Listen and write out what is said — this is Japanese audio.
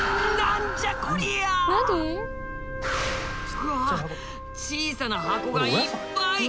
うわ小さな箱がいっぱい！